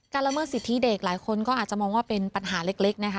ละเมิดสิทธิเด็กหลายคนก็อาจจะมองว่าเป็นปัญหาเล็กนะคะ